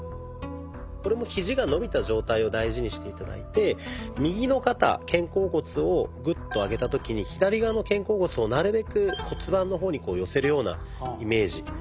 これもひじが伸びた状態を大事にして頂いて右の肩肩甲骨をグッと上げた時に左側の肩甲骨をなるべく骨盤の方に寄せるようなイメージ